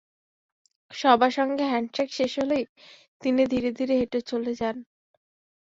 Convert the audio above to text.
সবার সঙ্গে হ্যান্ডশেক শেষ হলেই তিনি ধীরে ধীরে হেঁটে চলে যান।